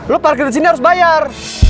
lu parkir disini harus bayar